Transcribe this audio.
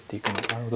なるほど。